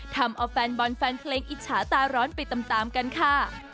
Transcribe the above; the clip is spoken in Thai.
ทำเอาแฟนบอลแฟนเพลงอิจฉาตาร้อนไปตามกันค่ะ